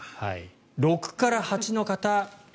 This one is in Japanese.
６から８の方。